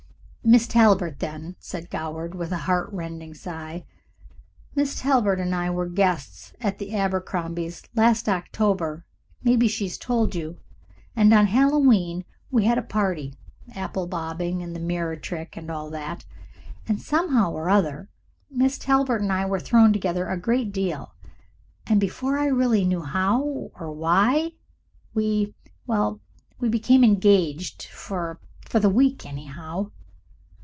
"Miss Talbert, then," said Goward, with a heart rending sigh. "Miss Talbert and I were guests at the Abercrombies' last October maybe she's told you and on Hallowe'en we had a party apple bobbing and the mirror trick and all that, and somehow or other Miss Talbert and I were thrown together a great deal, and before I really knew how, or why, we well, we became engaged for for the week, anyhow."